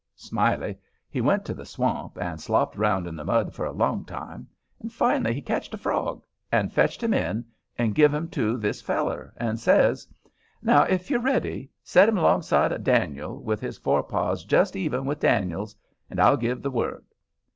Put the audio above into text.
Smiley he went to the swamp and slopped around in the mud for a long time, and finally he ketched a frog, and fetched him in, and give him to this feller, and says: "Now, if you're ready, set him alongside of Dan'l, with his forepaws just even with Dan'l's, and I'll give the word."